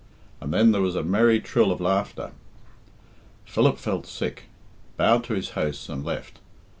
And then there was a merry trill of laughter. Philip felt sick, bowed to his hosts, and left.